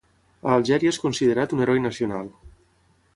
A Algèria és considerat un heroi nacional.